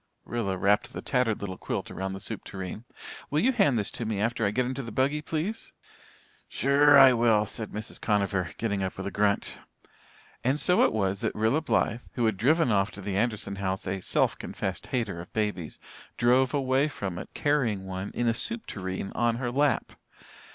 Rilla wrapped the tattered little quilt around the soup tureen. "Will you hand this to me after I get into the buggy, please?" "Sure I will," said Mrs. Conover, getting up with a grunt. And so it was that Rilla Blythe, who had driven to the Anderson house a self confessed hater of babies, drove away from it carrying one in a soup tureen on her lap!